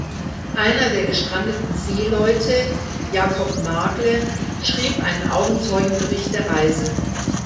Einer der gestrandeten Seeleute, Jacob Nagle, schrieb einen Augenzeugenbericht der Reise.